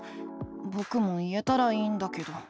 ぼくも言えたらいいんだけど。